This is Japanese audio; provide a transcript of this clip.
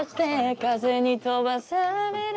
「風に飛ばされる欠片に」